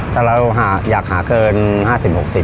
ถ้าเราอยากหาเกิน๕๐๖๐บาท